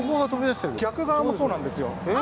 逆側もそうなんですよ。え？